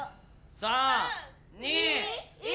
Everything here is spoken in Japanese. ３２１！